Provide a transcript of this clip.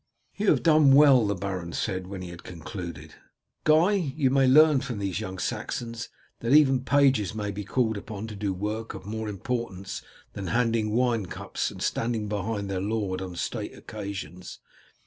"You have done well," the baron said when he had concluded. "Guy, you may learn from these young Saxons that even pages may be called upon to do work of more importance than handing wine cups and standing behind their lord on state occasions.